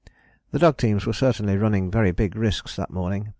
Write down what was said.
" The dog teams were certainly running very big risks that morning.